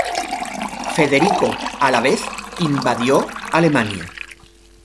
Federico, a la vez, invadió Alemania.